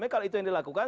kalau itu yang dilakukan